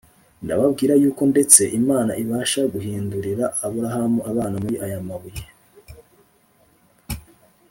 Ndababwira yuko ndetse Imana Ibasha guhindurira Aburahamu abana muri aya mabuye.